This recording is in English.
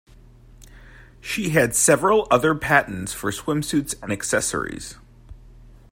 She had several other patents for swimsuits and accessories.